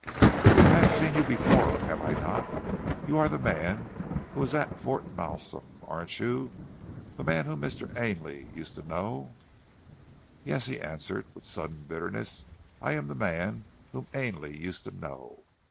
"I have seen you before, have I not? You are the man who was at Fort Malsun, aren't you the man whom Mr. Ainley used to know?" "Yes," he answered with sudden bitterness, "I am the man whom Ainley used to know.